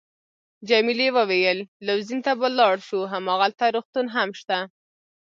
جميلې وويل:: لوزین ته به ولاړ شو، هماغلته روغتون هم شته.